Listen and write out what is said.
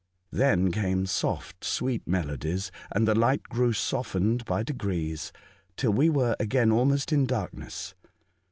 Then came soft, sweet melodies, and the light grew softened by degrees till we were again almost in darkness.